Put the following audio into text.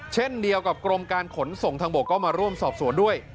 เช่นเดียวกับกรมการขนส่งทางบกก็มาร่วมสอบสวนด้วย